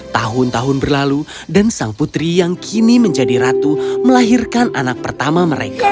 tahun tahun berlalu dan sang putri yang kini menjadi ratu melahirkan anak pertama mereka